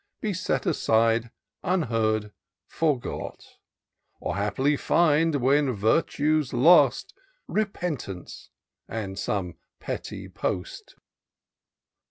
Be set aside, unheard, forgot; Or haply find, when virtue's lost. Repentance, and some petty post.